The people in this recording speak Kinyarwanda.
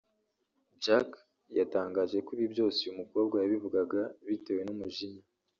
Jack yatangaje ko ibi byose uyu mukobwa yabivugaga bitewe n’umujinya